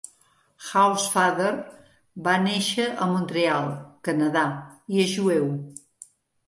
Housefather va néixer a Montreal, Canadà, i és jueu.